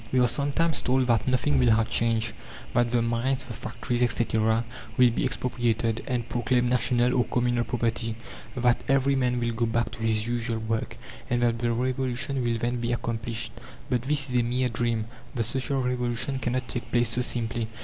We are sometimes told that "nothing will have changed": that the mines, the factories, etc., will be expropriated, and proclaimed national or communal property, that every man will go back to his usual work, and that the Revolution will then be accomplished. But this is a mere dream: the Social Revolution cannot take place so simply.